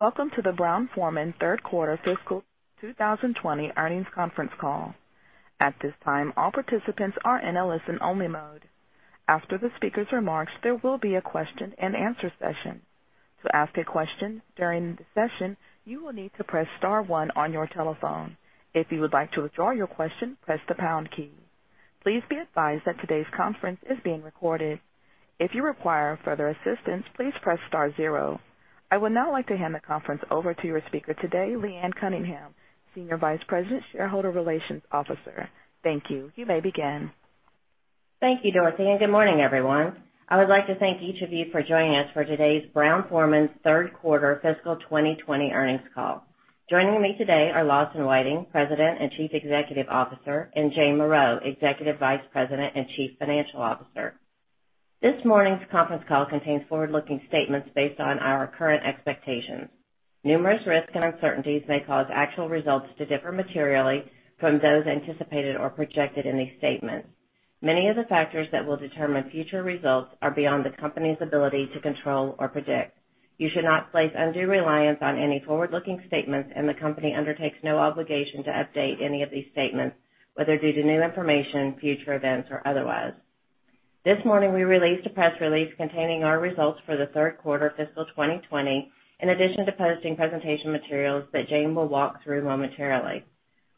Welcome to the Brown-Forman third quarter fiscal 2020 earnings conference call. At this time, all participants are in a listen-only mode. After the speaker's remarks, there will be a question and answer session. To ask a question during the session, you will need to press star one on your telephone. If you would like to withdraw your question, press the pound key. Please be advised that today's conference is being recorded. If you require further assistance, please press star zero. I would now like to hand the conference over to your speaker today, Leanne Cunningham, Senior Vice President, Shareholder Relations Officer. Thank you. You may begin. Thank you, Dorothy, and good morning, everyone. I would like to thank each of you for joining us for today's Brown-Forman third quarter Fiscal 2020 earnings call. Joining me today are Lawson Whiting, President and Chief Executive Officer, and Jane Morreau, Executive Vice President and Chief Financial Officer. This morning's conference call contains forward-looking statements based on our current expectations. Numerous risks and uncertainties may cause actual results to differ materially from those anticipated or projected in these statements. Many of the factors that will determine future results are beyond the company's ability to control or predict. You should not place undue reliance on any forward-looking statements, and the company undertakes no obligation to update any of these statements, whether due to new information, future events, or otherwise. This morning, we released a press release containing our results for the third quarter Fiscal 2020, in addition to posting presentation materials that Jane will walk through momentarily.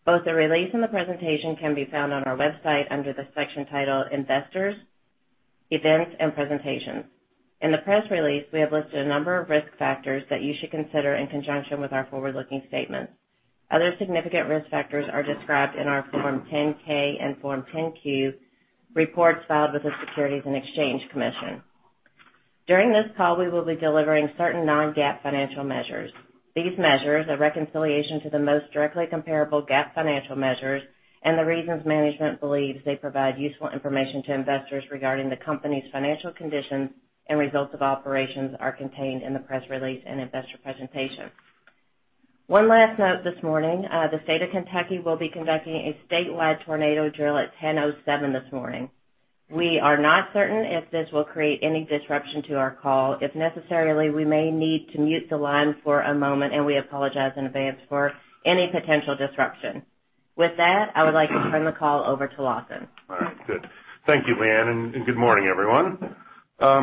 Both the release and the presentation can be found on our website under the section titled Investors, Events and Presentations. In the press release, we have listed a number of risk factors that you should consider in conjunction with our forward-looking statements. Other significant risk factors are described in our Form 10-K and Form 10-Q reports filed with the Securities and Exchange Commission. During this call, we will be delivering certain non-GAAP financial measures. These measures, a reconciliation to the most directly comparable GAAP financial measures and the reasons management believes they provide useful information to investors regarding the company's financial conditions and results of operations, are contained in the press release and investor presentation. One last note this morning. The state of Kentucky will be conducting a statewide tornado drill at 10:07 this morning. We are not certain if this will create any disruption to our call. If necessary, we may need to mute the line for a moment, and we apologize in advance for any potential disruption. With that, I would like to turn the call over to Lawson. All right, good. Thank you, Leanne, and good morning, everyone.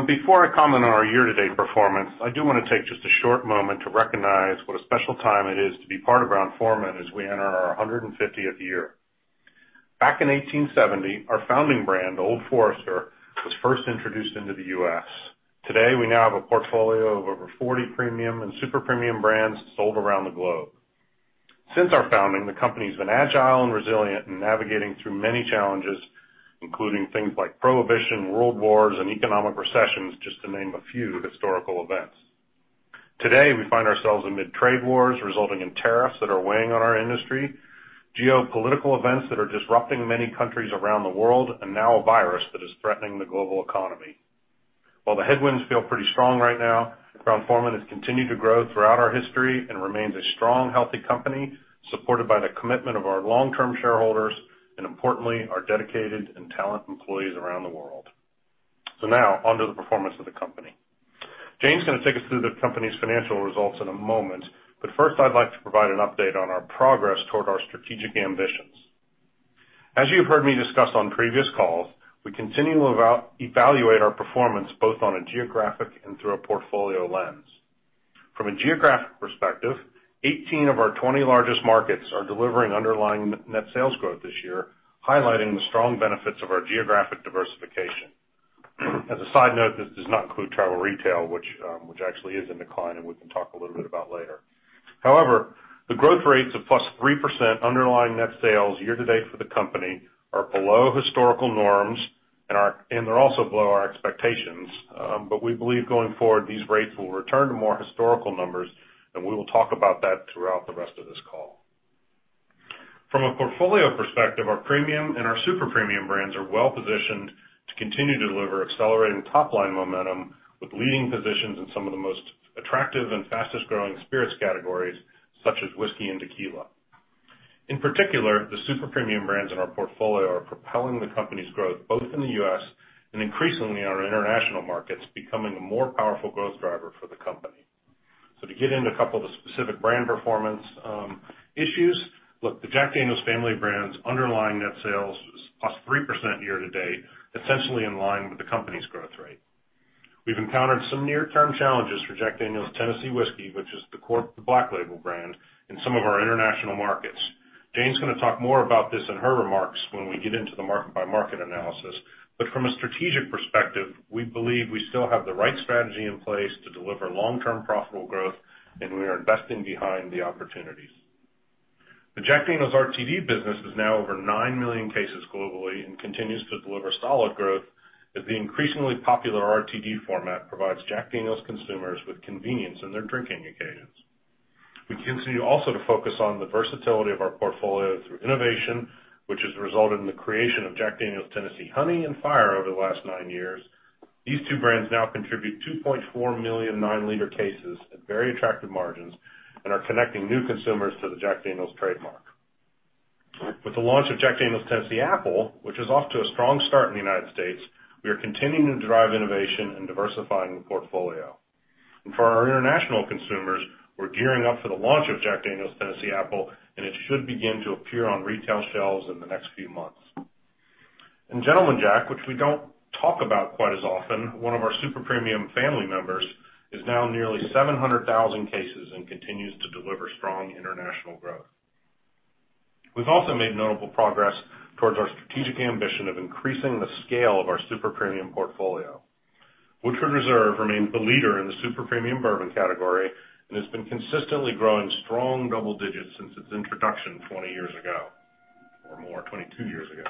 Before I comment on our year-to-date performance, I do want to take just a short moment to recognize what a special time it is to be part of Brown-Forman as we enter our 150th year. Back in 1870, our founding brand, Old Forester, was first introduced into the U.S. Today, we now have a portfolio of over 40 premium and super premium brands sold around the globe. Since our founding, the company's been agile and resilient in navigating through many challenges, including things like prohibition, world wars, and economic recessions, just to name a few historical events. Today, we find ourselves amid trade wars resulting in tariffs that are weighing on our industry, geopolitical events that are disrupting many countries around the world, and now a virus that is threatening the global economy. While the headwinds feel pretty strong right now, Brown-Forman has continued to grow throughout our history and remains a strong, healthy company, supported by the commitment of our long-term shareholders and, importantly, our dedicated and talent employees around the world. Now, onto the performance of the company. Jane's going to take us through the company's financial results in a moment, first, I'd like to provide an update on our progress toward our strategic ambitions. As you've heard me discuss on previous calls, we continue to evaluate our performance both on a geographic and through a portfolio lens. From a geographic perspective, 18 of our 20 largest markets are delivering underlying net sales growth this year, highlighting the strong benefits of our geographic diversification. As a side note, this does not include travel retail, which actually is in decline, and we can talk a little bit about later. The growth rates of +3% underlying net sales year-to-date for the company are below historical norms and they're also below our expectations. We believe going forward, these rates will return to more historical numbers, and we will talk about that throughout the rest of this call. From a portfolio perspective, our premium and our super premium brands are well-positioned to continue to deliver accelerating top-line momentum with leading positions in some of the most attractive and fastest-growing spirits categories, such as whiskey and tequila. In particular, the super premium brands in our portfolio are propelling the company's growth both in the U.S. and increasingly in our international markets, becoming a more powerful growth driver for the company. To get into a couple of the specific brand performance issues, look, the Jack Daniel's family of brands' underlying net sales was +3% year-to-date, essentially in line with the company's growth rate. We've encountered some near-term challenges for Jack Daniel's Tennessee Whiskey, which is the core of the Black Label brand in some of our international markets. Jane's going to talk more about this in her remarks when we get into the market-by-market analysis. From a strategic perspective, we believe we still have the right strategy in place to deliver long-term profitable growth, and we are investing behind the opportunities. The Jack Daniel's RTD business is now over 9 million cases globally and continues to deliver solid growth as the increasingly popular RTD format provides Jack Daniel's consumers with convenience in their drinking occasions. We continue also to focus on the versatility of our portfolio through innovation, which has resulted in the creation of Jack Daniel's Tennessee Honey and Fire over the last nine years. These two brands now contribute 2.4 million nine-liter cases at very attractive margins and are connecting new consumers to the Jack Daniel's trademark. With the launch of Jack Daniel's Tennessee Apple, which is off to a strong start in the United States, we are continuing to drive innovation and diversifying the portfolio. For our international consumers, we're gearing up for the launch of Jack Daniel's Tennessee Apple, and it should begin to appear on retail shelves in the next few months. Gentleman Jack, which we don't talk about quite as often, one of our super premium family members, is now nearly 700,000 cases and continues to deliver strong international growth. We've also made notable progress towards our strategic ambition of increasing the scale of our super premium portfolio. Woodford Reserve remains the leader in the super premium bourbon category and has been consistently growing strong double digits since its introduction 20 years ago, or more, 22 years ago.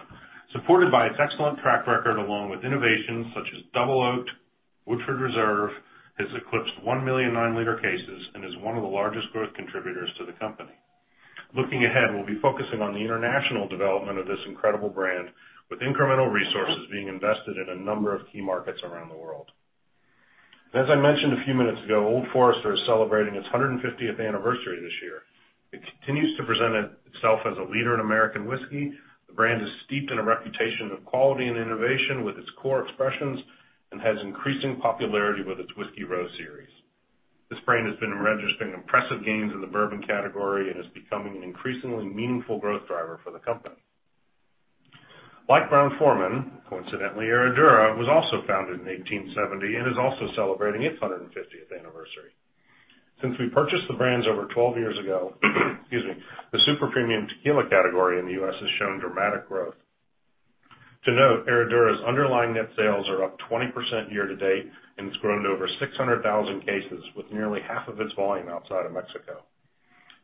Supported by its excellent track record, along with innovations such as Double Oaked, Woodford Reserve has eclipsed 1 million nine-liter cases and is one of the largest growth contributors to the company. Looking ahead, we'll be focusing on the international development of this incredible brand, with incremental resources being invested in a number of key markets around the world. As I mentioned a few minutes ago, Old Forester is celebrating its 150th anniversary this year. It continues to present itself as a leader in American whiskey. The brand is steeped in a reputation of quality and innovation with its core expressions and has increasing popularity with its Whiskey Row series. This brand has been registering impressive gains in the bourbon category and is becoming an increasingly meaningful growth driver for the company. Brown-Forman, coincidentally, Herradura, was also founded in 1870 and is also celebrating its 150th anniversary. Since we purchased the brands over 12 years ago, the super premium tequila category in the U.S. has shown dramatic growth. To note, Herradura's underlying net sales are up 20% year to date, and it's grown to over 600,000 cases with nearly half of its volume outside of Mexico.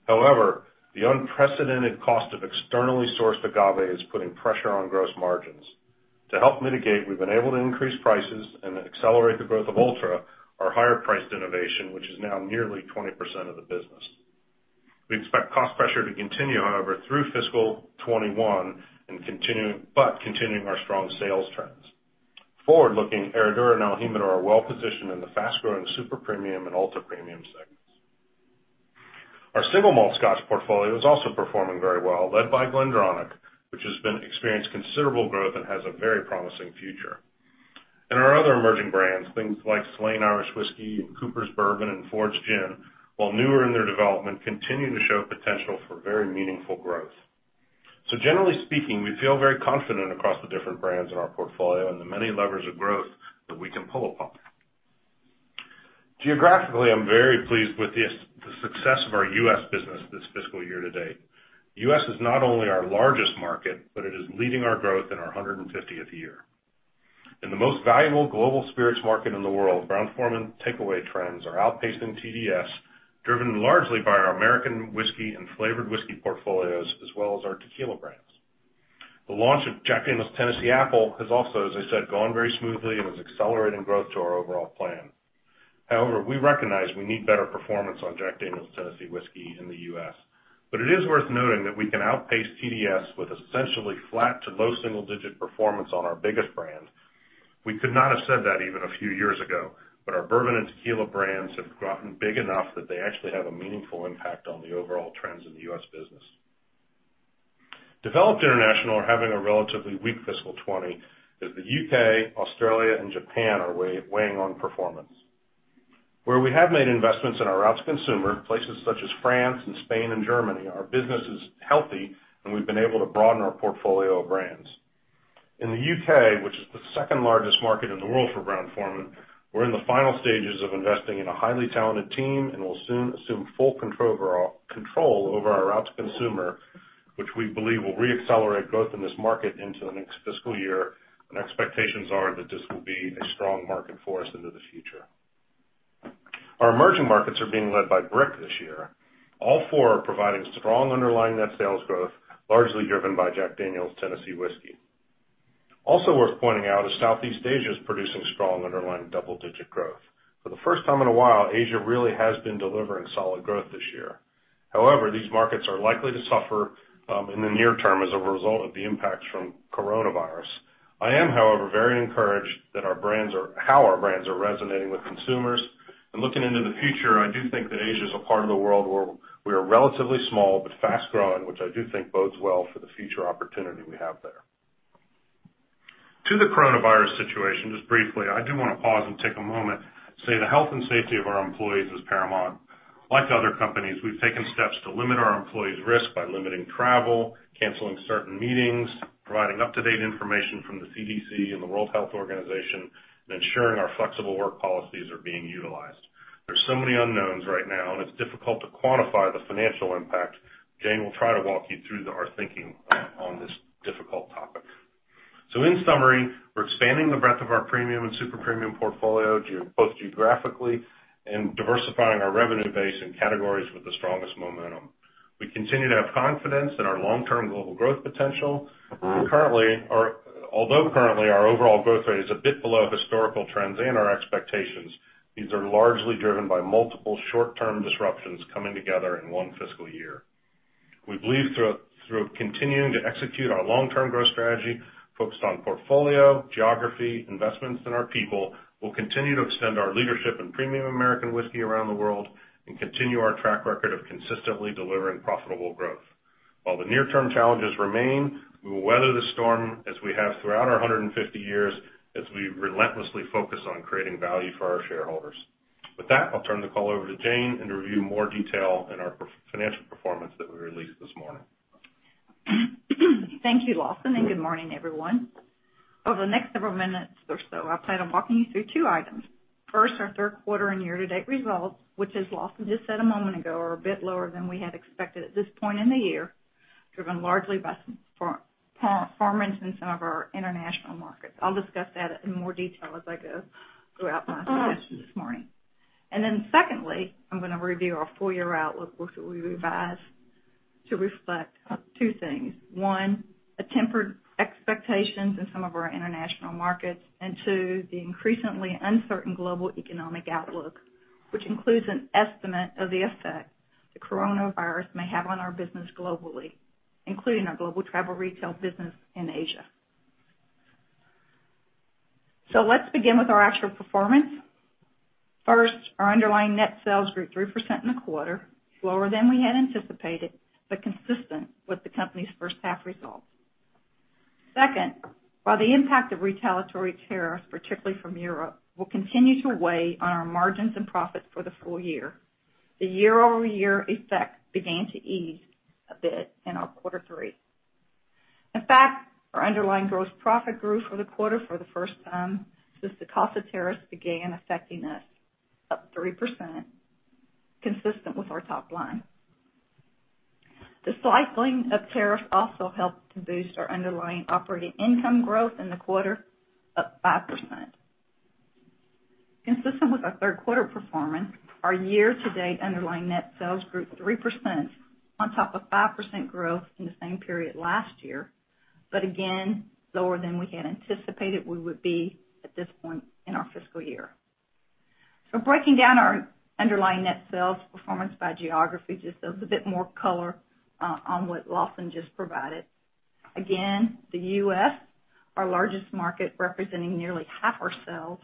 However, the unprecedented cost of externally sourced agave is putting pressure on gross margins. To help mitigate, we've been able to increase prices and accelerate the growth of Ultra, our higher-priced innovation, which is now nearly 20% of the business. We expect cost pressure to continue, however, through fiscal 2021, but continuing our strong sales trends. Forward-looking, Herradura and el Jimador are well positioned in the fast-growing super premium and ultra premium segments. Our single malt scotch portfolio is also performing very well, led by GlenDronach, which has experienced considerable growth and has a very promising future. Our other emerging brands, things like Slane Irish Whiskey and Coopers' Craft Bourbon and Fords Gin, while newer in their development, continue to show potential for very meaningful growth. Generally speaking, we feel very confident across the different brands in our portfolio and the many levers of growth that we can pull upon. Geographically, I'm very pleased with the success of our U.S. business this fiscal year to date. U.S. is not only our largest market, but it is leading our growth in our 150th year. In the most valuable global spirits market in the world, Brown-Forman takeaway trends are outpacing TDS, driven largely by our American whiskey and flavored whiskey portfolios, as well as our tequila brands. The launch of Jack Daniel's Tennessee Apple has also, as I said, gone very smoothly and is accelerating growth to our overall plan. We recognize we need better performance on Jack Daniel's Tennessee Whiskey in the U.S. It is worth noting that we can outpace TDS with essentially flat to low single-digit performance on our biggest brand. We could not have said that even a few years ago, but our bourbon and tequila brands have gotten big enough that they actually have a meaningful impact on the overall trends in the U.S. business. Developed international are having a relatively weak fiscal 2020, as the U.K., Australia, and Japan are weighing on performance. Where we have made investments in our route to consumer, places such as France, Spain, and Germany, our business is healthy, and we've been able to broaden our portfolio of brands. In the U.K., which is the second largest market in the world for Brown-Forman, we're in the final stages of investing in a highly talented team and will soon assume full control over our route to consumer, which we believe will re-accelerate growth in this market into the next fiscal year, and expectations are that this will be a strong market for us into the future. Our emerging markets are being led by BRIC this year. All four are providing strong underlying net sales growth, largely driven by Jack Daniel's Tennessee Whiskey. Also worth pointing out is Southeast Asia is producing strong underlying double-digit growth. For the first time in a while, Asia really has been delivering solid growth this year. These markets are likely to suffer in the near term as a result of the impacts from coronavirus. I am, however, very encouraged how our brands are resonating with consumers. Looking into the future, I do think that Asia is a part of the world where we are relatively small but fast-growing, which I do think bodes well for the future opportunity we have there. To the coronavirus situation, just briefly, I do want to pause and take a moment to say the health and safety of our employees is paramount. Like other companies, we've taken steps to limit our employees' risk by limiting travel, canceling certain meetings, providing up-to-date information from the CDC and the World Health Organization, and ensuring our flexible work policies are being utilized. There's so many unknowns right now. It's difficult to quantify the financial impact. Jane will try to walk you through our thinking on this difficult topic. In summary, we're expanding the breadth of our premium and super premium portfolio, both geographically and diversifying our revenue base in categories with the strongest momentum. We continue to have confidence in our long-term global growth potential. Although currently our overall growth rate is a bit below historical trends and our expectations, these are largely driven by multiple short-term disruptions coming together in one fiscal year. We believe through continuing to execute our long-term growth strategy focused on portfolio, geography, investments in our people, we'll continue to extend our leadership in premium American whiskey around the world and continue our track record of consistently delivering profitable growth. While the near-term challenges remain, we will weather the storm as we have throughout our 150 years, as we relentlessly focus on creating value for our shareholders. With that, I'll turn the call over to Jane and review more detail in our financial performance that we released this morning. Thank you, Lawson. Good morning, everyone. Over the next several minutes or so, I plan on walking you through two items. First, our third quarter and year-to-date results, which as Lawson just said a moment ago, are a bit lower than we had expected at this point in the year, driven largely by some performance in some of our international markets. I'll discuss that in more detail as I go throughout my presentation this morning. Secondly, I'm going to review our full-year outlook, which we revised to reflect two things. One, a tempered expectations in some of our international markets, and two, the increasingly uncertain global economic outlook, which includes an estimate of the effect the coronavirus may have on our business globally, including our global travel retail business in Asia. Let's begin with our actual performance. Our underlying net sales grew 3% in the quarter, slower than we had anticipated, but consistent with the company's first half results. While the impact of retaliatory tariffs, particularly from Europe, will continue to weigh on our margins and profits for the full year, the year-over-year effect began to ease a bit in our quarter three. Our underlying gross profit grew for the quarter for the first time since the cost of tariffs began affecting us, up 3%, consistent with our top line. The cycling of tariffs also helped to boost our underlying operating income growth in the quarter up 5%. Consistent with our third quarter performance, our year-to-date underlying net sales grew 3% on top of 5% growth in the same period last year, but again, lower than we had anticipated we would be at this point in our fiscal year. Breaking down our underlying net sales performance by geography just gives a bit more color on what Lawson just provided. Again, the U.S., our largest market, representing nearly half our sales,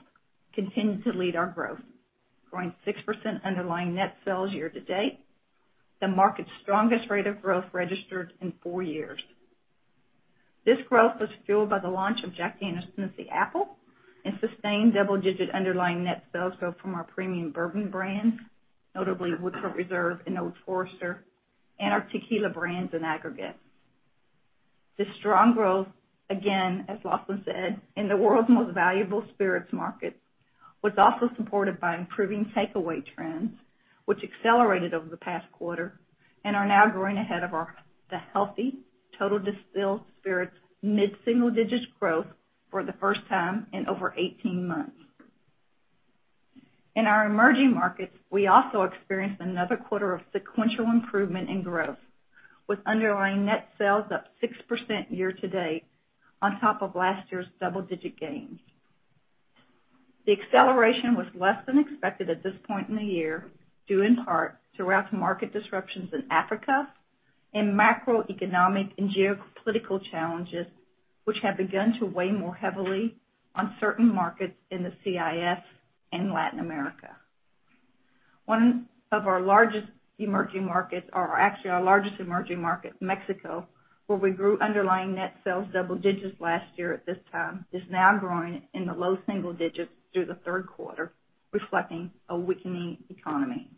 continued to lead our growth, growing 6% underlying net sales year-to-date, the market's strongest rate of growth registered in four years. This growth was fueled by the launch of Jack Daniel's Tennessee Apple and sustained double-digit underlying net sales growth from our premium bourbon brands, notably Woodford Reserve and Old Forester, and our tequila brands in aggregate. This strong growth, again, as Lawson said, in the world's most valuable spirits market, was also supported by improving takeaway trends, which accelerated over the past quarter and are now growing ahead of our healthy total distilled spirits mid-single-digit growth for the first time in over 18 months. In our emerging markets, we also experienced another quarter of sequential improvement in growth, with underlying net sales up 6% year-to-date on top of last year's double-digit gains. The acceleration was less than expected at this point in the year, due in part to rough market disruptions in Africa and macroeconomic and geopolitical challenges, which have begun to weigh more heavily on certain markets in the CIS and Latin America. One of our largest emerging markets, or actually our largest emerging market, Mexico, where we grew underlying net sales double digits last year at this time, is now growing in the low single digits through the third quarter, reflecting a weakening economy.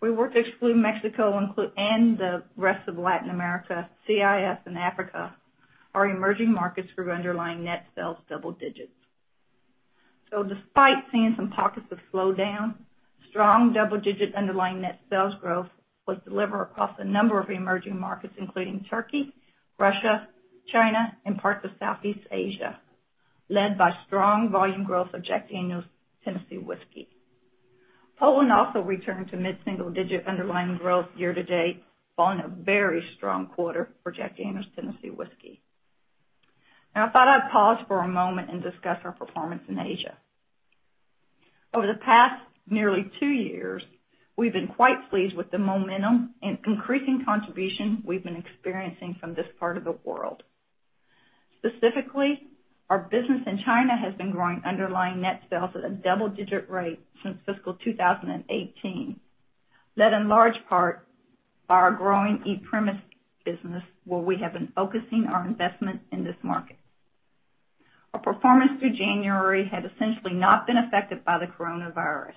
We were to exclude Mexico and the rest of Latin America, CIS and Africa, our emerging markets grew underlying net sales double digits. Despite seeing some pockets of slowdown, strong double-digit underlying net sales growth was delivered across a number of emerging markets, including Turkey, Russia, China, and parts of Southeast Asia, led by strong volume growth of Jack Daniel's Tennessee Whiskey. Poland also returned to mid-single-digit underlying growth year-to-date, following a very strong quarter for Jack Daniel's Tennessee Whiskey. I thought I'd pause for a moment and discuss our performance in Asia. Over the past nearly two years, we've been quite pleased with the momentum and increasing contribution we've been experiencing from this part of the world. Specifically, our business in China has been growing underlying net sales at a double-digit rate since Fiscal Year 2018, led in large part by our growing e-commerce business, where we have been focusing our investment in this market. Our performance through January had essentially not been affected by the coronavirus.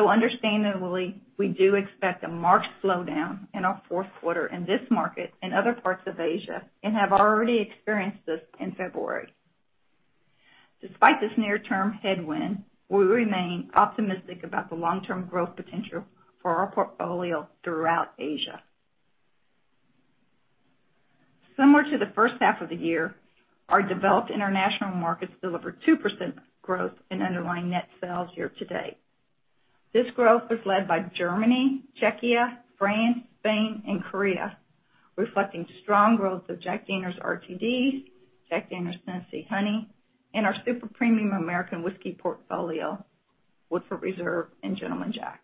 Understandably, we do expect a marked slowdown in our fourth quarter in this market and other parts of Asia, and have already experienced this in February. Despite this near-term headwind, we remain optimistic about the long-term growth potential for our portfolio throughout Asia. Similar to the first half of the year, our developed international markets delivered 2% growth in underlying net sales year-to-date. This growth was led by Germany, Czechia, France, Spain, and Korea, reflecting strong growth of Jack Daniel's RTDs, Jack Daniel's Tennessee Honey, and our super premium American whiskey portfolio, Woodford Reserve and Gentleman Jack.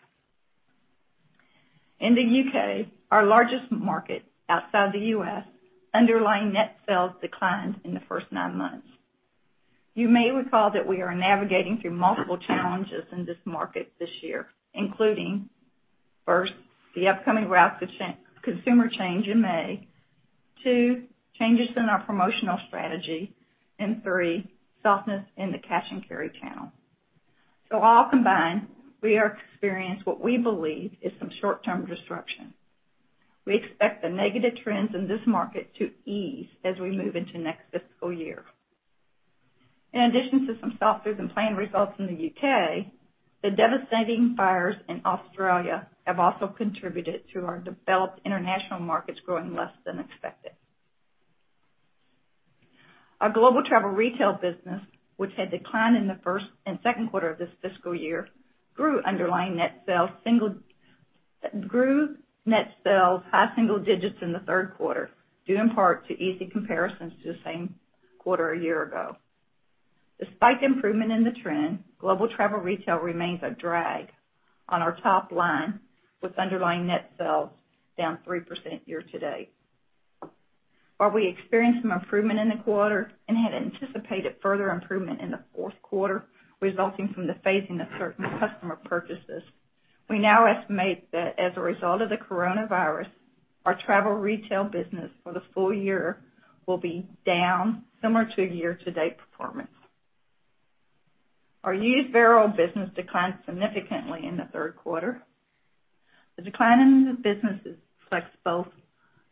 In the U.K., our largest market outside the U.S., underlying net sales declined in the first nine months. You may recall that we are navigating through multiple challenges in this market this year, including, first, the upcoming route to consumer change in May. Two, changes in our promotional strategy. Three, softness in the cash and carry channel. All combined, we are experiencing what we believe is some short-term disruption. We expect the negative trends in this market to ease as we move into next fiscal year. In addition to some softer than planned results in the U.K., the devastating fires in Australia have also contributed to our developed international markets growing less than expected. Our global travel retail business, which had declined in the first and second quarter of this fiscal year, grew net sales high single digits in the third quarter, due in part to easy comparisons to the same quarter a year ago. Despite the improvement in the trend, global travel retail remains a drag on our top line, with underlying net sales down 3% year-to-date. While we experienced some improvement in the quarter and had anticipated further improvement in the fourth quarter resulting from the phasing of certain customer purchases, we now estimate that as a result of the coronavirus, our travel retail business for the full year will be down similar to year-to-date performance. Our used barrel business declined significantly in the third quarter. The decline in the business reflects both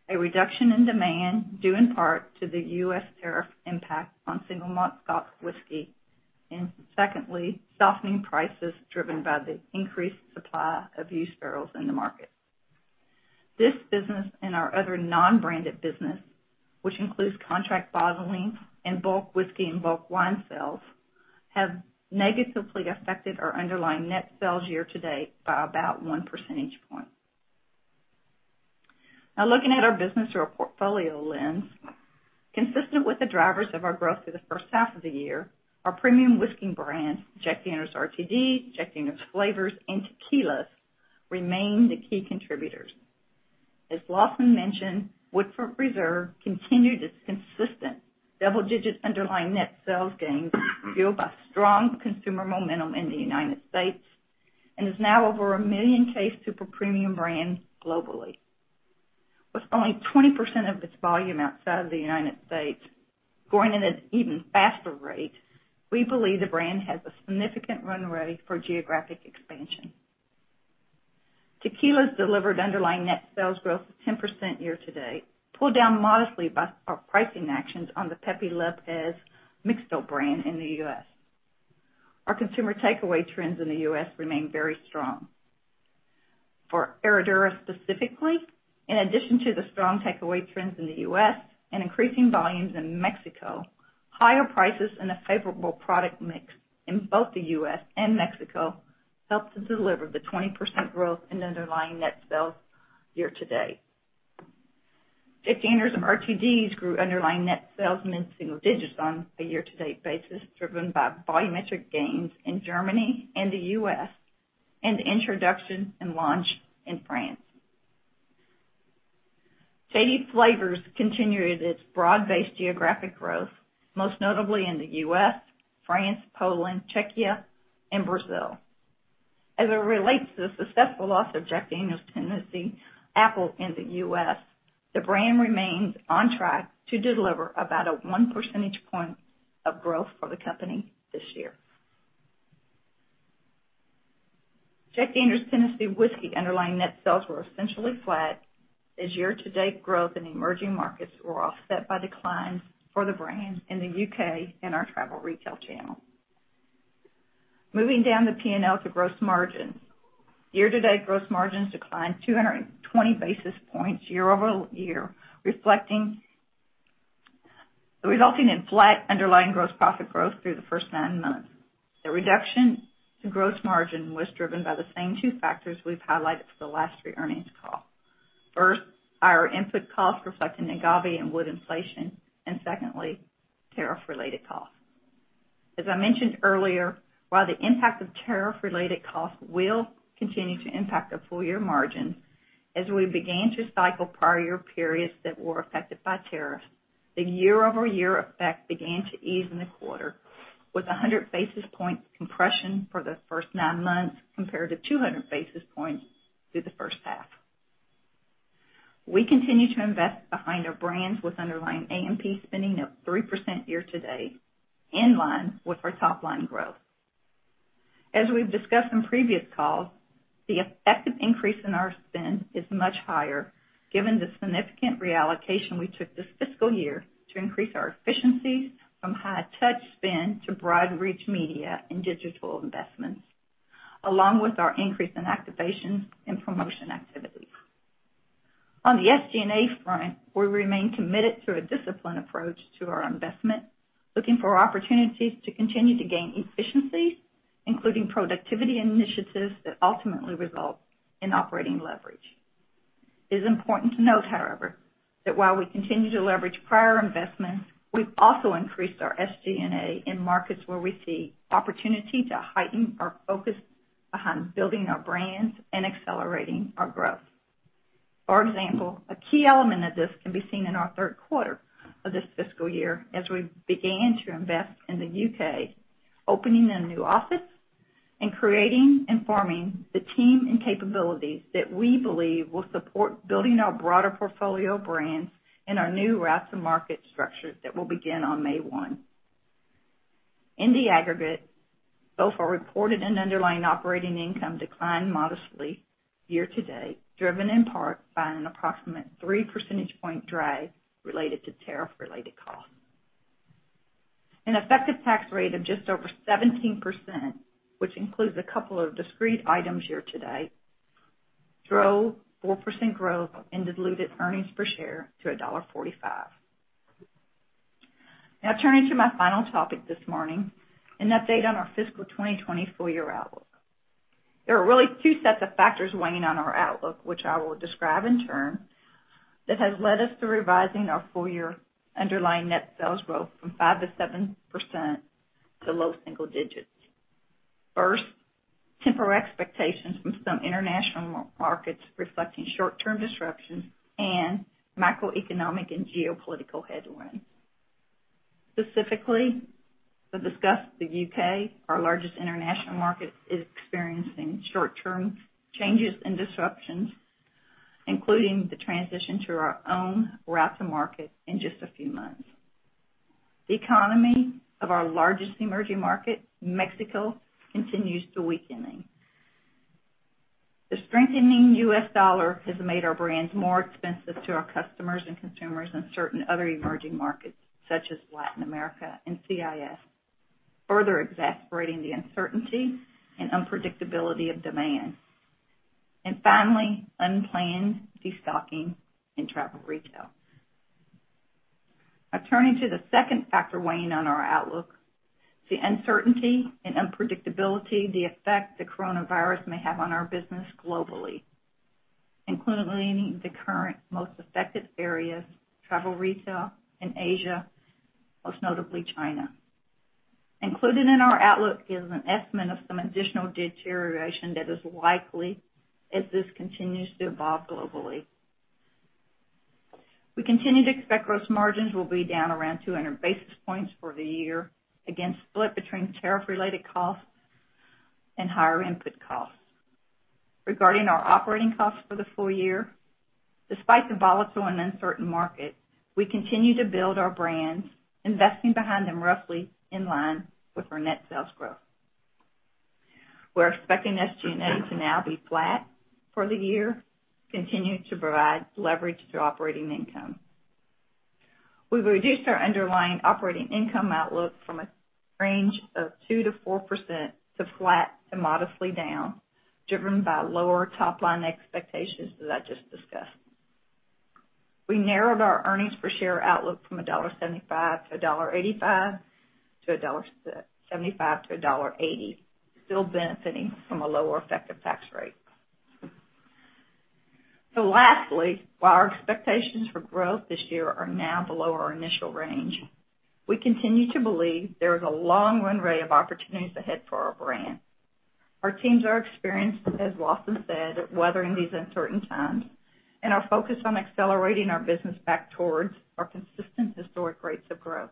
a reduction in demand, due in part to the U.S. tariff impact on single malt Scotch whisky, and secondly, softening prices driven by the increased supply of used barrels in the market. This business and our other non-branded business, which includes contract bottling and bulk whiskey and bulk wine sales, have negatively affected our underlying net sales year-to-date by about one percentage point. Now looking at our business through a portfolio lens. Consistent with the drivers of our growth through the first half of the year, our premium whiskey brands, Jack Daniel's RTD, Jack Daniel's flavors, and tequilas remain the key contributors. As Lawson mentioned, Woodford Reserve continued its consistent double-digit underlying net sales gains, fueled by strong consumer momentum in the United States, and is now over 1 million case super premium brand globally. With only 20% of its volume outside of the United States growing at an even faster rate, we believe the brand has a significant runway for geographic expansion. Tequilas delivered underlying net sales growth of 10% year to date, pulled down modestly by our pricing actions on the Pepe Lopez Mixto brand in the U.S. Our consumer takeaway trends in the U.S. remain very strong. For Herradura specifically, in addition to the strong takeaway trends in the U.S. and increasing volumes in Mexico, higher prices and a favorable product mix in both the U.S. and Mexico helped to deliver the 20% growth in underlying net sales year to date. Jack Daniel's RTDs grew underlying net sales mid-single digits on a year-to-date basis, driven by volumetric gains in Germany and the U.S., and introduction and launch in France. JD flavors continued its broad-based geographic growth, most notably in the U.S., France, Poland, Czechia, and Brazil. As it relates to the successful launch of Jack Daniel's Tennessee Apple in the U.S., the brand remains on track to deliver about a one percentage point of growth for the company this year. Jack Daniel's Tennessee Whiskey underlying net sales were essentially flat as year-to-date growth in emerging markets were offset by declines for the brand in the U.K. and our travel retail channel. Moving down the P&L to gross margins. Year to date, gross margins declined 220 basis points year over year, resulting in flat underlying gross profit growth through the first nine months. The reduction to gross margin was driven by the same two factors we've highlighted for the last three earnings calls. First, our input costs reflecting agave and wood inflation, and secondly, tariff related costs. As I mentioned earlier, while the impact of tariff-related costs will continue to impact our full year margin as we begin to cycle prior year periods that were affected by tariffs, the year-over-year effect began to ease in the quarter, with 100 basis point compression for the first nine months compared to 200 basis points through the first half. We continue to invest behind our brands with underlying A&P spending up 3% year-to-date, in line with our top line growth. As we've discussed in previous calls, the effective increase in our spend is much higher given the significant reallocation we took this fiscal year to increase our efficiencies from high-touch spend to broad-reach media and digital investments, along with our increase in activations and promotion activities. On the SG&A front, we remain committed to a disciplined approach to our investment, looking for opportunities to continue to gain efficiencies, including productivity initiatives that ultimately result in operating leverage. It is important to note, however, that while we continue to leverage prior investments, we've also increased our SG&A in markets where we see opportunity to heighten our focus behind building our brands and accelerating our growth. For example, a key element of this can be seen in our third quarter of this fiscal year as we began to invest in the U.K., opening a new office and creating and forming the team and capabilities that we believe will support building our broader portfolio brands and our new route-to-market structures that will begin on May 1. In the aggregate, both our reported and underlying operating income declined modestly year to date, driven in part by an approximate three percentage point drag related to tariff-related costs. An effective tax rate of just over 17%, which includes a couple of discrete items year to date, drove 4% growth in diluted earnings per share to $1.45. Turning to my final topic this morning, an update on our Fiscal Year 2020 full year outlook. There are really two sets of factors weighing on our outlook, which I will describe in turn, that has led us to revising our full-year underlying net sales growth from 5%-7% to low single digits. First, temporal expectations from some international markets reflecting short-term disruptions and macroeconomic and geopolitical headwinds. Specifically, we've discussed the U.K., our largest international market, is experiencing short-term changes and disruptions, including the transition to our own route to market in just a few months. The economy of our largest emerging market, Mexico, continues to weakening. The strengthening U.S. dollar has made our brands more expensive to our customers and consumers in certain other emerging markets, such as Latin America and CIS, further exacerbating the uncertainty and unpredictability of demand. Finally, unplanned de-stocking in travel retail. Now turning to the second factor weighing on our outlook, the uncertainty and unpredictability, the effect the coronavirus may have on our business globally, including the current most affected areas, travel retail and Asia, most notably China. Included in our outlook is an estimate of some additional deterioration that is likely as this continues to evolve globally. We continue to expect gross margins will be down around 200 basis points for the year, again, split between tariff-related costs and higher input costs. Regarding our operating costs for the full year, despite the volatile and uncertain market, we continue to build our brands, investing behind them roughly in line with our net sales growth. We're expecting SG&A to now be flat for the year, continuing to provide leverage through operating income. We've reduced our underlying operating income outlook from a range of 2%-4% to flat to modestly down, driven by lower top-line expectations that I just discussed. We narrowed our earnings per share outlook from $1.75-$1.85 to $1.75-$1.80, still benefiting from a lower effective tax rate. Lastly, while our expectations for growth this year are now below our initial range, we continue to believe there is a long run-way of opportunities ahead for our brand. Our teams are experienced, as Lawson said, at weathering these uncertain times and are focused on accelerating our business back towards our consistent historic rates of growth.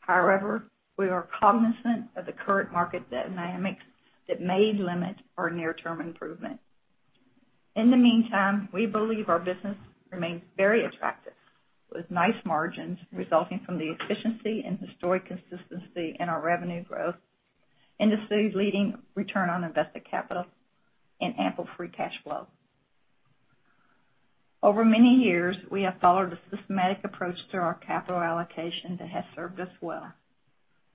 However, we are cognizant of the current market dynamics that may limit our near-term improvement. In the meantime, we believe our business remains very attractive, with nice margins resulting from the efficiency and historic consistency in our revenue growth, industry-leading return on invested capital, and ample free cash flow. Over many years, we have followed a systematic approach through our capital allocation that has served us well.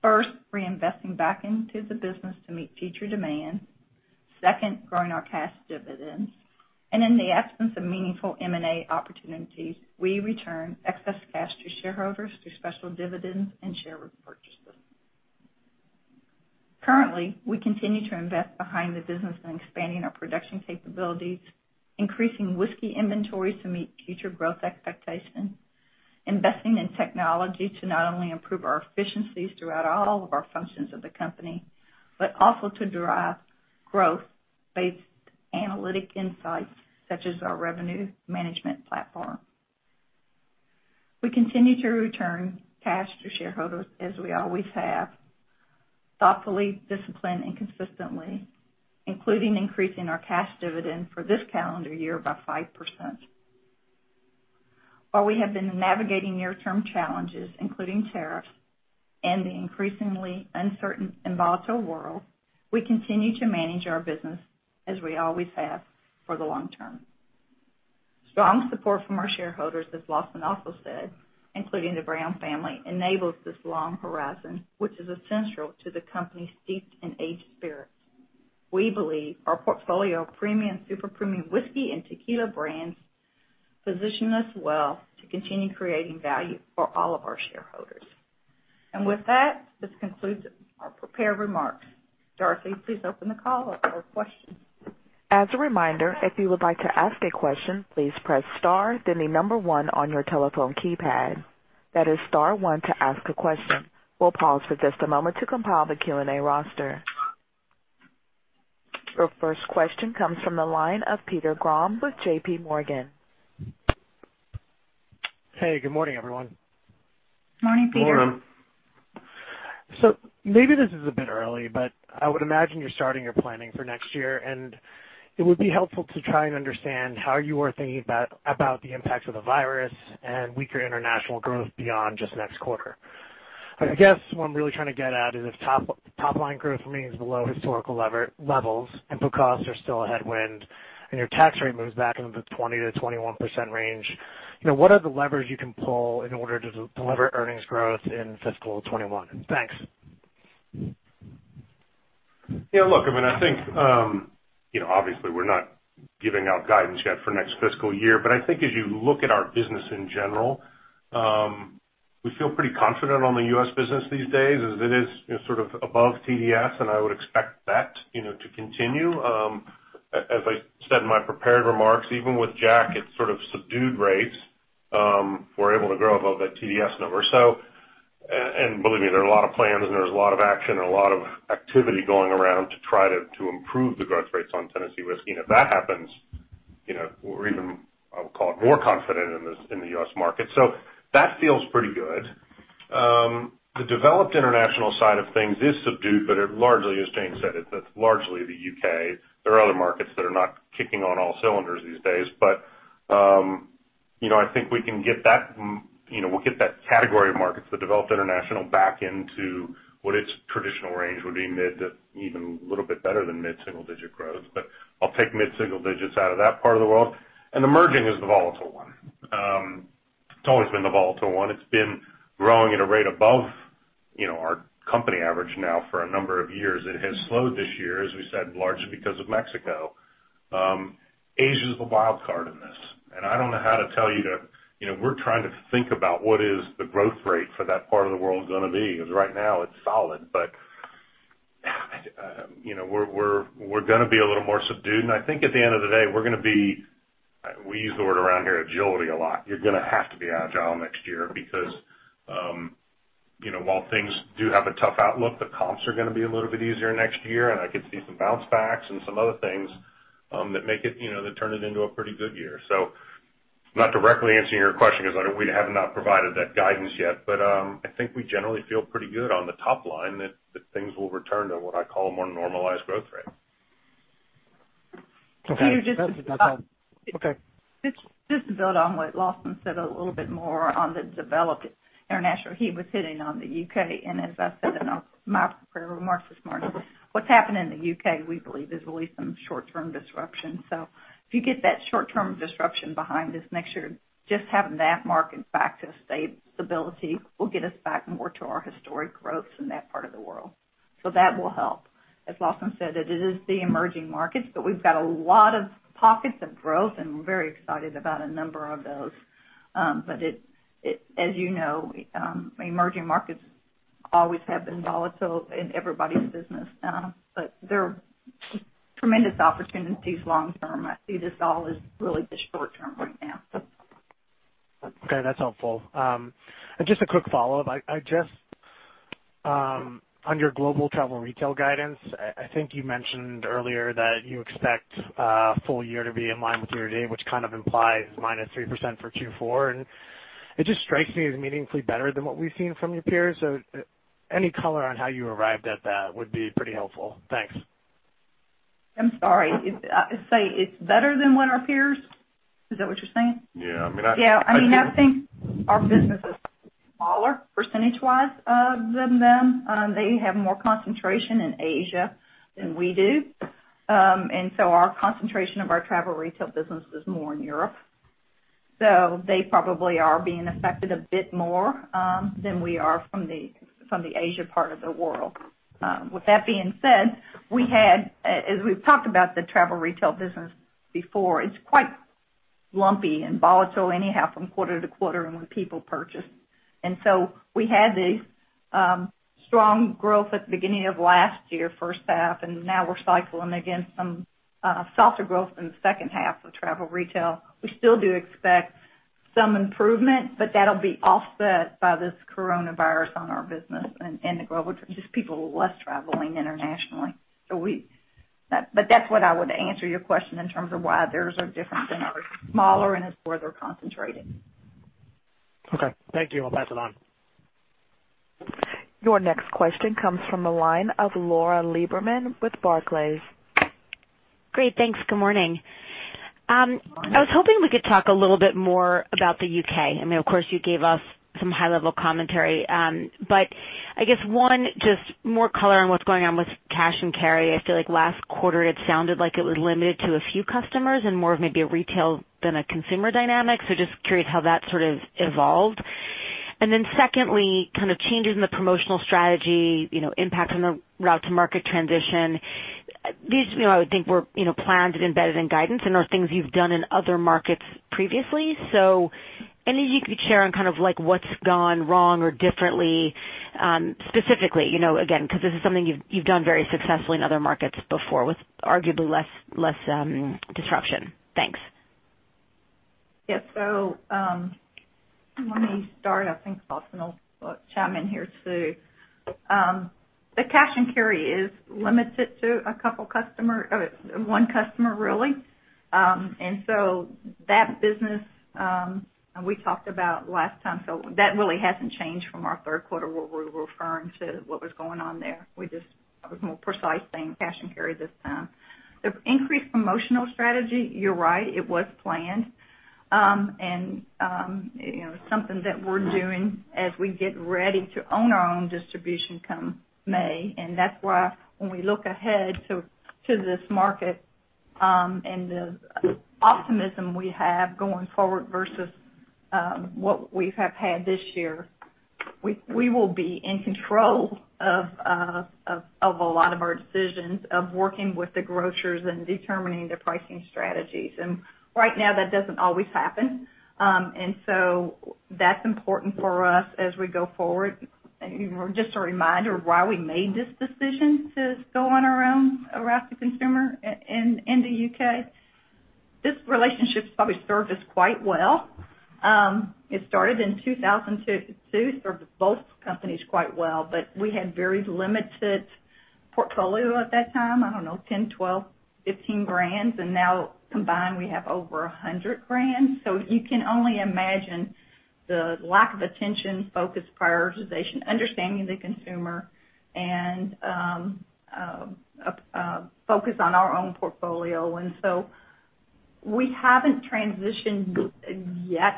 First, reinvesting back into the business to meet future demand. Second, growing our cash dividends. In the absence of meaningful M&A opportunities, we return excess cash to shareholders through special dividends and share repurchases. Currently, we continue to invest behind the business in expanding our production capabilities, increasing whiskey inventories to meet future growth expectations, investing in technology to not only improve our efficiencies throughout all of our functions of the company, but also to derive growth-based analytic insights, such as our revenue management platform. We continue to return cash to shareholders as we always have, thoughtfully, disciplined, and consistently, including increasing our cash dividend for this calendar year by 5%. While we have been navigating near-term challenges, including tariffs and the increasingly uncertain and volatile world, we continue to manage our business as we always have for the long term. Strong support from our shareholders, as Lawson also said, including the Brown family, enables this long horizon, which is essential to the company's steeped and aged spirits. We believe our portfolio of premium and super premium whiskey and tequila brands position us well to continue creating value for all of our shareholders. With that, this concludes our prepared remarks. Dorothy, please open the call up for questions. As a reminder, if you would like to ask a question, please press star, then the number one on your telephone keypad. That is star one to ask a question. We'll pause for just a moment to compile the Q&A roster. Your first question comes from the line of Peter Grom with JPMorgan. Hey, good morning, everyone. Morning, Peter. Morning. Maybe this is a bit early, but I would imagine you're starting your planning for next year, and it would be helpful to try and understand how you are thinking about the impacts of the virus and weaker international growth beyond just next quarter. I guess what I'm really trying to get at is if top line growth remains below historical levels, input costs are still a headwind, and your tax rate moves back into the 20%-21% range, what are the levers you can pull in order to deliver earnings growth in fiscal 2021? Thanks. I think, obviously, we're not giving out guidance yet for next fiscal year. I think as you look at our business in general, we feel pretty confident on the U.S. business these days as it is sort of above TDS. I would expect that to continue. As I said in my prepared remarks, even with Jack at sort of subdued rates, we're able to grow above that TDS number. Believe me, there are a lot of plans, and there's a lot of action and a lot of activity going around to try to improve the growth rates on Tennessee whiskey. If that happens, we're even, I'll call it, more confident in the U.S. market. That feels pretty good. The developed international side of things is subdued. It largely, as Jane said, it's largely the U.K. There are other markets that are not kicking on all cylinders these days, but I think we'll get that category of markets, the developed international, back into what its traditional range would be mid to even a little bit better than mid-single digit growth. I'll take mid-single digits out of that part of the world. Emerging is the volatile one. It's always been the volatile one. It's been growing at a rate above our company average now for a number of years. It has slowed this year, as we said, largely because of Mexico. Asia's the wildcard in this, and I don't know how to tell you. We're trying to think about what is the growth rate for that part of the world is going to be, because right now it's solid, but we're going to be a little more subdued. I think at the end of the day, we use the word around here agility a lot. You're going to have to be agile next year because, while things do have a tough outlook, the comps are going to be a little bit easier next year, and I could see some bounce backs and some other things that turn it into a pretty good year. I'm not directly answering your question because we have not provided that guidance yet, but I think we generally feel pretty good on the top line that things will return to what I call a more normalized growth rate. Okay. Peter. Okay. Just to build on what Lawson said a little bit more on the developed international. He was hitting on the U.K., and as I said in my prepared remarks this morning, what's happened in the U.K., we believe, is really some short-term disruption. If you get that short-term disruption behind us next year, just having that market back to stability will get us back more to our historic growth in that part of the world. That will help. As Lawson said, it is the emerging markets, but we've got a lot of pockets of growth, and we're very excited about a number of those. As you know, emerging markets always have been volatile in everybody's business. There are tremendous opportunities long term. I see this all as really just short term right now. Okay, that's helpful. Just a quick follow-up. On your global travel retail guidance, I think you mentioned earlier that you expect full year to be in line with year to date, which kind of implies minus 3% for Q4, and it just strikes me as meaningfully better than what we've seen from your peers. Any color on how you arrived at that would be pretty helpful. Thanks. I'm sorry. Say, it's better than what our peers? Is that what you're saying? Yeah, I mean, Yeah, I think our business is smaller percentage-wise than them. They have more concentration in Asia than we do. Our concentration of our travel retail business is more in Europe. They probably are being affected a bit more than we are from the Asia part of the world. With that being said, as we've talked about the travel retail business before, it's quite lumpy and volatile anyhow from quarter to quarter on when people purchase. We had the strong growth at the beginning of last year, first half, and now we're cycling again some softer growth in the second half of travel retail. We still do expect some improvement, but that'll be offset by this coronavirus on our business and the global, just people less traveling internationally. That's what I would answer your question in terms of why theirs are different than ours. Smaller and it's where they're concentrated. Okay. Thank you. I'll pass it on. Your next question comes from the line of Lauren Lieberman with Barclays. Great, thanks. Good morning. I was hoping we could talk a little bit more about the U.K. I mean, of course, you gave us some high-level commentary. I guess, one, just more color on what's going on with cash and carry. I feel like last quarter it sounded like it was limited to a few customers and more of maybe a retail than a consumer dynamic. Just curious how that sort of evolved. Secondly, kind of changes in the promotional strategy, impact on the route to market transition. These, I would think were planned and embedded in guidance and are things you've done in other markets previously. Anything you could share on kind of like what's gone wrong or differently, specifically, again, because this is something you've done very successfully in other markets before with arguably less disruption. Thanks. Yes. Let me start. I think Faustine will chime in here too. The cash and carry is limited to one customer, really. That business, and we talked about last time, that really hasn't changed from our third quarter, what we're referring to, what was going on there. We just are more precise saying cash and carry this time. The increased promotional strategy, you're right, it was planned. Something that we're doing as we get ready to own our own distribution come May. That's why when we look ahead to this market, and the optimism we have going forward versus what we have had this year, we will be in control of a lot of our decisions of working with the grocers and determining the pricing strategies. Right now, that doesn't always happen. That's important for us as we go forward. Just a reminder why we made this decision to go on our own around the consumer in the U.K. This relationship's probably served us quite well. It started in 2002, served both companies quite well, but we had very limited portfolio at that time, I don't know, 10, 12, 15 brands, and now combined, we have over 100 brands. You can only imagine the lack of attention, focus, prioritization, understanding the consumer, and focus on our own portfolio. We haven't transitioned yet.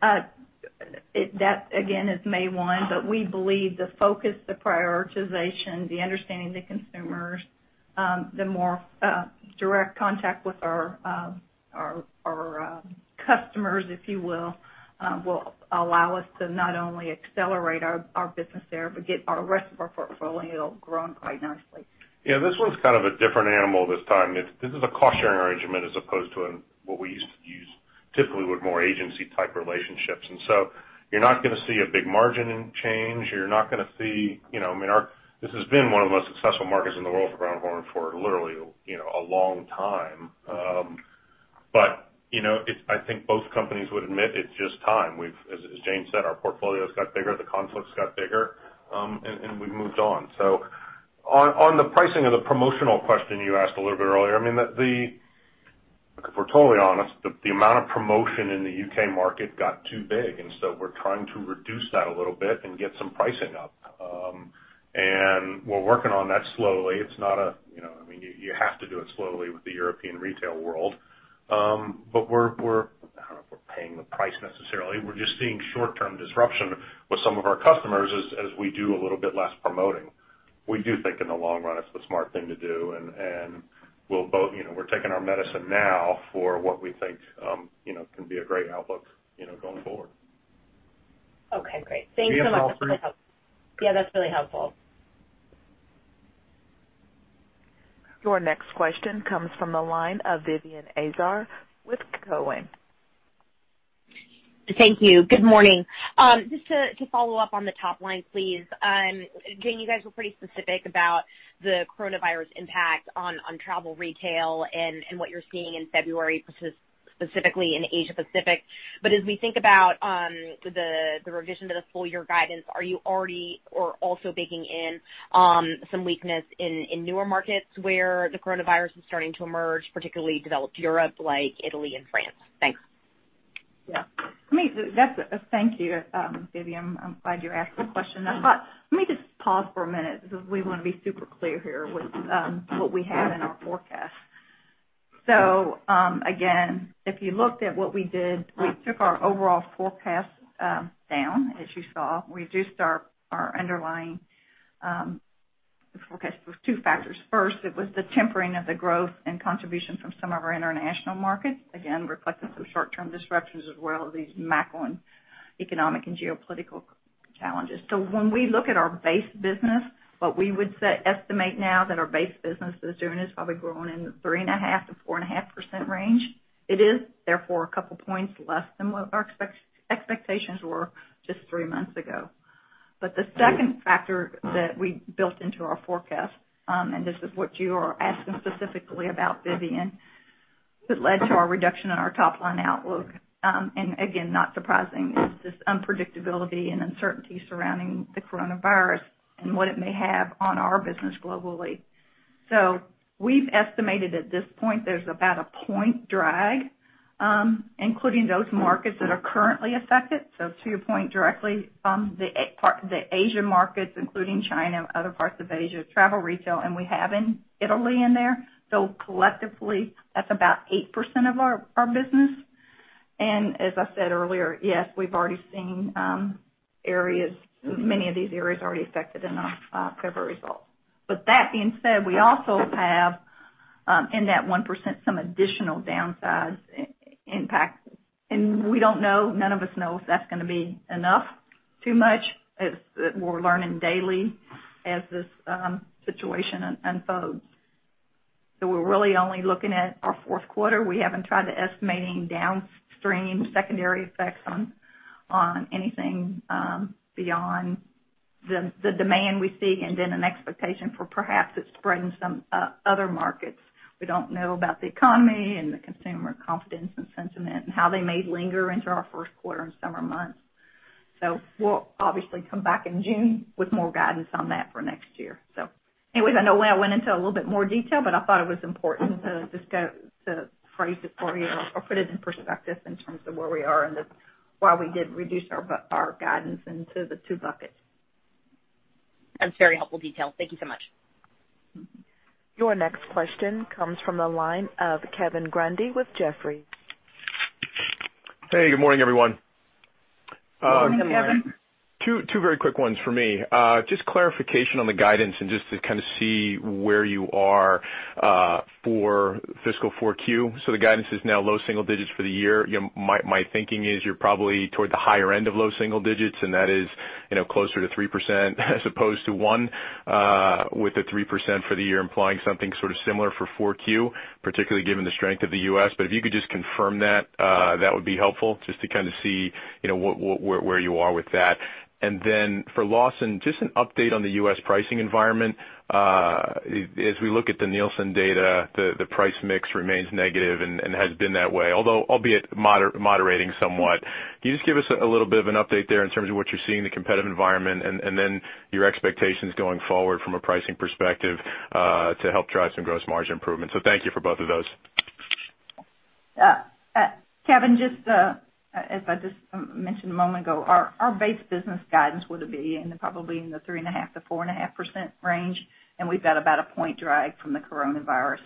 That, again, is May one, but we believe the focus, the prioritization, the understanding the consumers, the more direct contact with our customers, if you will allow us to not only accelerate our business there, but get our rest of our portfolio grown quite nicely. This one's kind of a different animal this time. This is a cost-sharing arrangement as opposed to what we used to use typically with more agency-type relationships. You're not gonna see a big margin change. This has been one of the most successful markets in the world for Brown-Forman for literally a long time. Both companies would admit it's just time. As Jane said, our portfolio's got bigger, the conflict's got bigger, and we've moved on. On the pricing of the promotional question you asked a little bit earlier, if we're totally honest, the amount of promotion in the U.K. market got too big, and so we're trying to reduce that a little bit and get some pricing up. We're working on that slowly. You have to do it slowly with the European retail world. We're, I don't know if we're paying the price necessarily. We're just seeing short-term disruption with some of our customers as we do a little bit less promoting. We do think in the long run, it's the smart thing to do, and we're taking our medicine now for what we think can be a great outlook going forward. Okay, great. Thanks so much for the help. Yeah, that's really helpful. Your next question comes from the line of Vivien Azer with Cowen. Thank you. Good morning. Just to follow up on the top line, please. Jane, you guys were pretty specific about the coronavirus impact on travel retail and what you're seeing in February, specifically in Asia Pacific. As we think about the revision to the full-year guidance, are you already or also baking in some weakness in newer markets where the coronavirus is starting to emerge, particularly developed Europe like Italy and France? Thanks. Thank you, Vivien. I'm glad you asked that question. Let me just pause for a minute because we want to be super clear here with what we have in our forecast. Again, if you looked at what we did, we took our overall forecast down, as you saw. We reduced our underlying forecast with two factors. First, it was the tempering of the growth and contribution from some of our international markets, again, reflecting some short-term disruptions as well as these macro and economic and geopolitical challenges. When we look at our base business, what we would estimate now that our base business this year is probably growing in the 3.5%-4.5% range. It is therefore a couple points less than what our expectations were just three months ago. The second factor that we built into our forecast, and this is what you are asking specifically about, Vivien, that led to our reduction in our top-line outlook, and again, not surprising, is this unpredictability and uncertainty surrounding the coronavirus and what it may have on our business globally. We've estimated at this point there's about a 1 point drag, including those markets that are currently affected. To your point directly, the Asian markets, including China and other parts of Asia, travel retail, and we have Italy in there. Collectively, that's about 8% of our business. As I said earlier, yes, we've already seen many of these areas already affected in our February results. That being said, we also have, in that 1%, some additional downside impact. We don't know, none of us know if that's gonna be enough, too much. We're learning daily as this situation unfolds. We're really only looking at our fourth quarter. We haven't tried to estimating downstream secondary effects on anything beyond the demand we see and then an expectation for perhaps it spreading some other markets. We don't know about the economy and the consumer confidence and sentiment and how they may linger into our first quarter and summer months. We'll obviously come back in June with more guidance on that for next year. Anyways, I know I went into a little bit more detail, but I thought it was important to phrase it for you or put it in perspective in terms of where we are and why we did reduce our guidance into the two buckets. That's very helpful detail. Thank you so much. Your next question comes from the line of Kevin Grundy with Jefferies. Hey, good morning, everyone. Good morning, Kevin. Two very quick ones for me. Just clarification on the guidance and just to kind of see where you are for Fiscal 4Q. The guidance is now low single digits for the year. My thinking is you're probably toward the higher end of low single digits, and that is closer to 3% as opposed to 1% with the 3% for the year implying something sort of similar for 4Q, particularly given the strength of the U.S. If you could just confirm that would be helpful just to kind of see where you are with that. For Lawson, just an update on the U.S. pricing environment. As we look at the Nielsen data, the price mix remains negative and has been that way, albeit moderating somewhat. Can you just give us a little bit of an update there in terms of what you're seeing in the competitive environment and then your expectations going forward from a pricing perspective to help drive some gross margin improvements? Thank you for both of those. Kevin, as I just mentioned a moment ago, our base business guidance would be in probably the 3.5% to 4.5% range. We've got about a point drag from the coronavirus.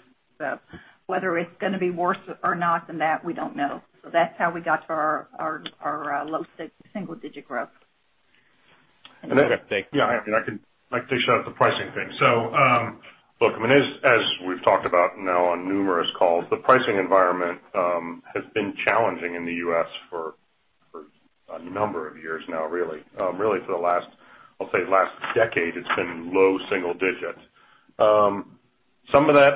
Whether it's going to be worse or not than that, we don't know. That's how we got to our low single-digit growth. Okay, thank you. Yeah, I'd like to shout out the pricing thing. Look, as we've talked about now on numerous calls, the pricing environment has been challenging in the U.S. for a number of years now, really. Really for, I'll say, the last decade, it's been low single digits. Some of that,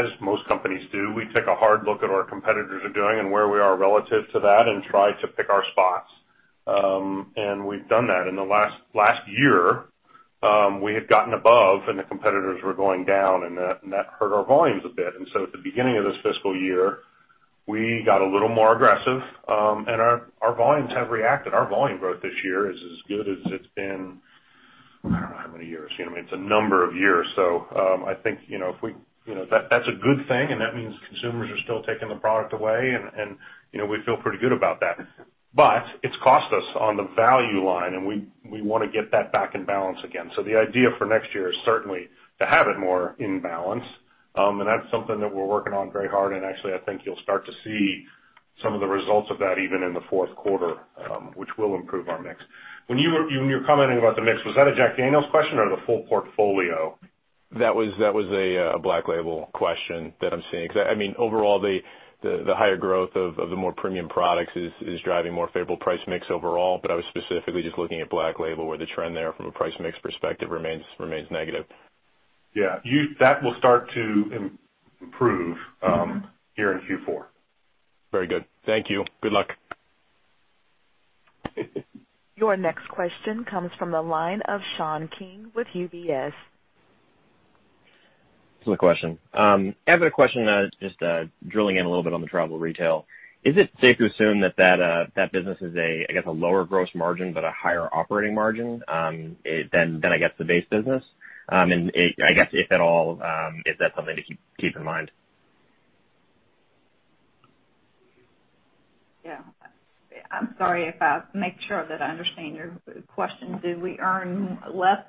as most companies do, we take a hard look at what our competitors are doing and where we are relative to that and try to pick our spots. We've done that. In the last year, we had gotten above, and the competitors were going down, and that hurt our volumes a bit. At the beginning of this fiscal year, we got a little more aggressive, and our volumes have reacted. Our volume growth this year is as good as it's been, I don't know how many years. It's a number of years. I think that's a good thing, and that means consumers are still taking the product away, and we feel pretty good about that. It's cost us on the value line, and we want to get that back in balance again. The idea for next year is certainly to have it more in balance. That's something that we're working on very hard. Actually, I think you'll start to see some of the results of that even in the fourth quarter, which will improve our mix. When you were commenting about the mix, was that a Jack Daniel's question or the full portfolio? That was a Black Label question that I'm seeing. Overall, the higher growth of the more premium products is driving more favorable price mix overall. I was specifically just looking at Black Label, where the trend there from a price mix perspective remains negative. Yeah. That will start to improve here in Q4. Very good. Thank you. Good luck. Your next question comes from the line of Sean King with UBS. Good question. I have a question just drilling in a little bit on the travel retail. Is it safe to assume that business is a lower gross margin, but a higher operating margin than the base business? If at all, is that something to keep in mind? I'm sorry. Make sure that I understand your question. Do we earn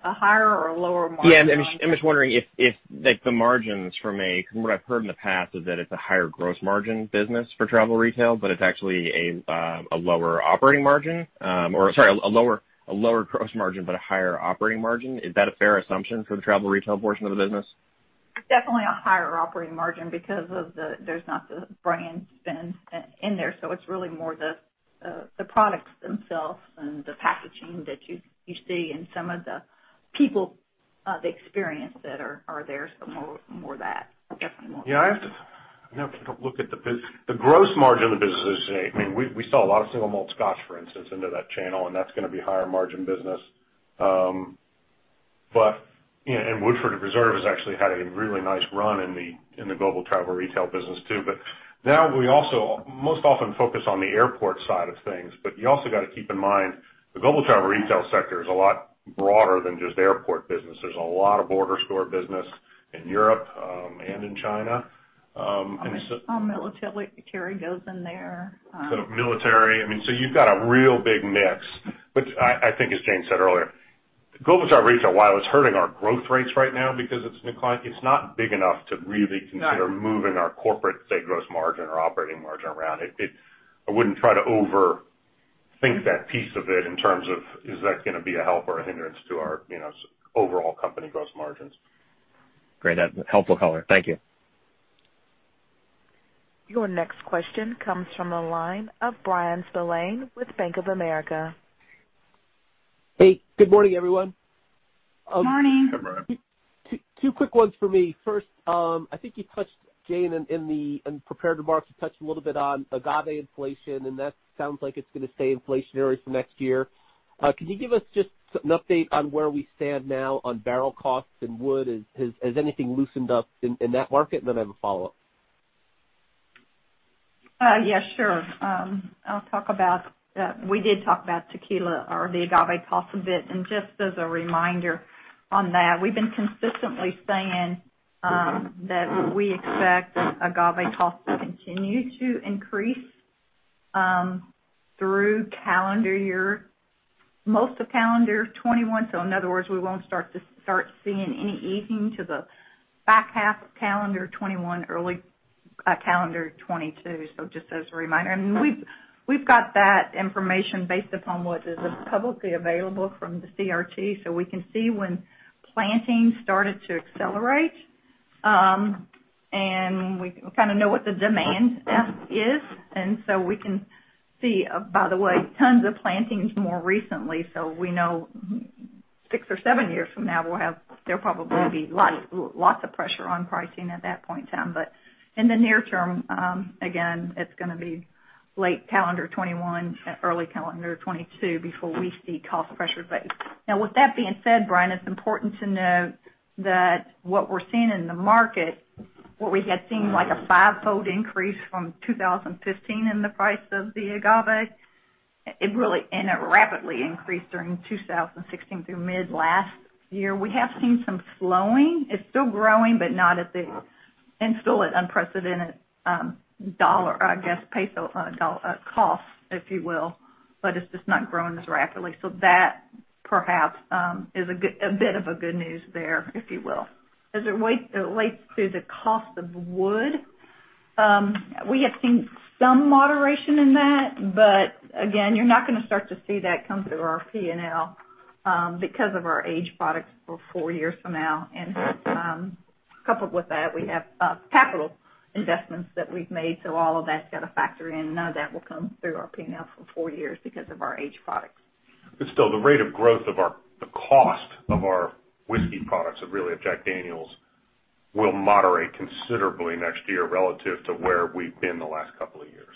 a higher or a lower margin on- Yeah, I'm just wondering if the margins from because what I've heard in the past is that it's a higher gross margin business for travel retail, but it's actually a lower operating margin. Or sorry, a lower gross margin, but a higher operating margin. Is that a fair assumption for the travel retail portion of the business? Definitely a higher operating margin because there's not the brand spend in there. It's really more the products themselves and the packaging that you see and some of the people, the experience that are there. More of that, definitely more. Yeah, I'd have to look at the business. The gross margin of the business is, we sell a lot of single malt scotch, for instance, into that channel, and that's going to be higher margin business. Woodford Reserve has actually had a really nice run in the global travel retail business, too. Now we also most often focus on the airport side of things. You also got to keep in mind, the global travel retail sector is a lot broader than just airport business. There's a lot of border store business in Europe and in China. Our military carry goes in there. Military. You've got a real big mix. I think as Jane said earlier, global travel retail, while it's hurting our growth rates right now because it's declining, it's not big enough to really consider moving our corporate, say, gross margin or operating margin around it. I wouldn't try to overthink that piece of it in terms of, is that going to be a help or a hindrance to our overall company gross margins. Great. Helpful color. Thank you. Your next question comes from the line of Bryan Spillane with Bank of America. Hey, good morning, everyone. Morning. Two quick ones for me. First, I think you touched, Jane, in the prepared remarks, you touched a little bit on agave inflation. That sounds like it's going to stay inflationary for next year. Can you give us just an update on where we stand now on barrel costs and wood? Has anything loosened up in that market? I have a follow-up. Yeah, sure. We did talk about tequila or the agave cost a bit. Just as a reminder on that, we've been consistently saying that we expect agave cost to continue to increase through most of calendar 2021. In other words, we won't start seeing any easing till the back half of calendar 2021, early calendar 2022. Just as a reminder. We've got that information based upon what is publicly available from the CRT. We can see when planting started to accelerate, and we kind of know what the demand is. We can see, by the way, tons of plantings more recently, so we know six or seven years from now, there'll probably be lots of pressure on pricing at that point in time. In the near term, again, it's going to be late calendar 2021, early calendar 2022 before we see cost pressure. With that being said, Bryan, it's important to note that what we're seeing in the market, what we had seen like a five-fold increase from 2015 in the price of the agave, and it rapidly increased during 2016 through mid last year. We have seen some slowing. It's still growing, and still at unprecedented dollar, I guess, peso cost, if you will, but it's just not growing as rapidly. That perhaps is a bit of a good news there, if you will. As it relates to the cost of wood, we have seen some moderation in that. Again, you're not going to start to see that come through our P&L because of our aged products for four years from now. Coupled with that, we have capital investments that we've made. All of that's got to factor in. None of that will come through our P&L for four years because of our aged products. Still, the rate of growth of the cost of our whiskey products, and really of Jack Daniel's, will moderate considerably next year relative to where we've been the last couple of years.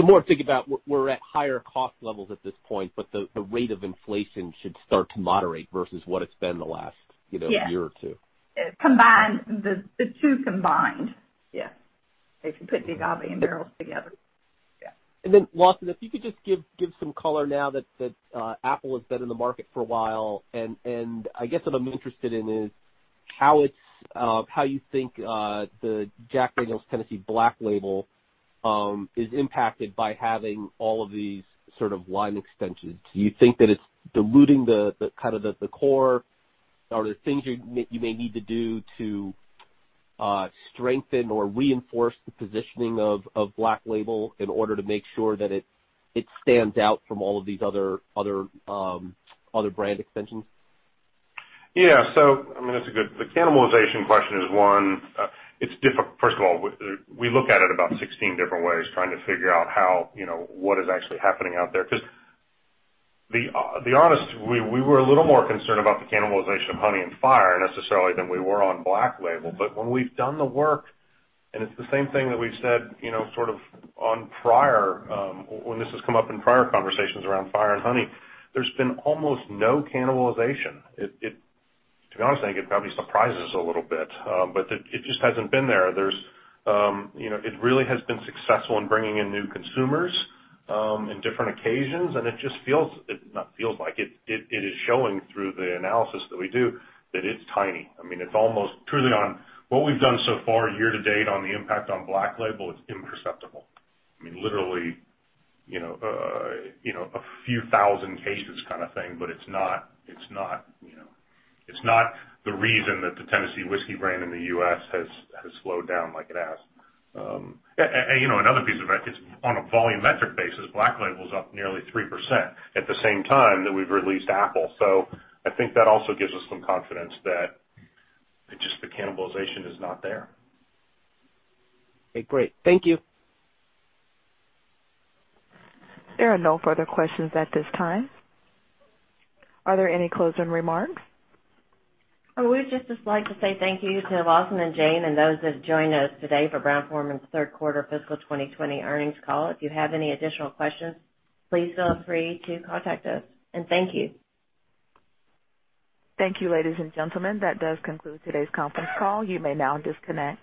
More to think about, we're at higher cost levels at this point, but the rate of inflation should start to moderate versus what it's been the last year or two. Yes. The two combined. Yes. If you put the agave and barrels together. Yeah. Lawson, if you could just give some color now that Apple has been in the market for a while, I guess what I'm interested in is how you think the Jack Daniel's Tennessee Black Label is impacted by having all of these sort of line extensions. Do you think that it's diluting the core? Are there things you may need to do to strengthen or reinforce the positioning of Black Label in order to make sure that it stands out from all of these other brand extensions? Yeah. The cannibalization question is one. First of all, we look at it about 16 different ways, trying to figure out what is actually happening out there. To be honest, we were a little more concerned about the cannibalization of Honey and Fire, necessarily, than we were on Black Label. When we've done the work, and it's the same thing that we've said when this has come up in prior conversations around Fire and Honey, there's been almost no cannibalization. To be honest, I think it probably surprised us a little bit. It just hasn't been there. It really has been successful in bringing in new consumers in different occasions, and it is showing through the analysis that we do that it's tiny. Truly, on what we've done so far year to date on the impact on Black Label, it's imperceptible. Literally a few thousand cases kind of thing, but it's not the reason that the Tennessee whiskey brand in the U.S. has slowed down like it has. Another piece of it, on a volumetric basis, Black Label's up nearly 3% at the same time that we've released Apple. I think that also gives us some confidence that just the cannibalization is not there. Okay, great. Thank you. There are no further questions at this time. Are there any closing remarks? We would just like to say thank you to Lawson and Jane and those that joined us today for Brown-Forman's third quarter fiscal 2020 earnings call. If you have any additional questions, please feel free to contact us. Thank you. Thank you, ladies and gentlemen. That does conclude today's conference call. You may now disconnect.